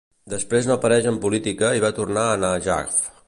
Després no apareix en política i va tornar a Najaf.